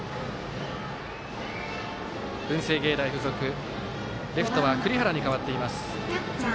文星芸大付属レフトは栗原に代わっています。